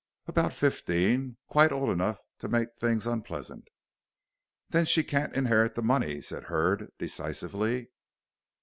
"About fifteen; quite old enough to make things unpleasant." "Then she can't inherit the money," said Hurd, decisively.